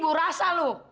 bau rasa lu